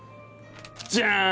じゃん！